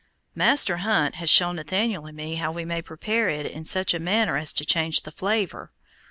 Master Hunt has shown Nathaniel and me how we may prepare it in such a manner as to change the flavor.